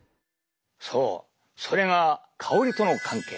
そうそれが香りとの関係。